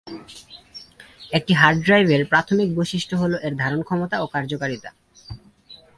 একটি হার্ড ড্রাইভের প্রাথমিক বৈশিষ্ট্য হল এর ধারণক্ষমতা ও কার্যকারিতা।